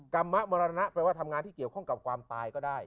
กรรมมรณะแปลว่าทำงานที่เกี่ยวข้องกับความตายก็ได้